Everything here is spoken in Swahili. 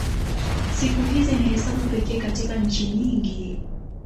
Siku hizi ni hesabu pekee katika nchi nyingi.